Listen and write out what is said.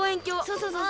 そうそうそう。